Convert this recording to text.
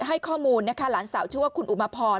ให้ข้อมูลนะคะหลานสาวชื่อว่าคุณอุมาพร